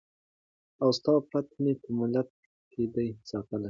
او ستا پت مي په مالت کي دی ساتلی